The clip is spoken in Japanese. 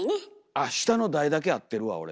あっ下の台だけ合ってるわ俺。